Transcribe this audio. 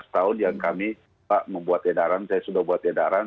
tujuh belas tahun yang kami membuat edaran saya sudah membuat edaran